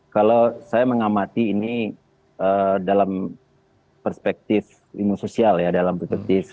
kalau saya mengamati ini dalam perspektif ilmu sosial ya dalam perspektif